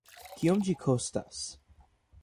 Kiom ĝi kostas?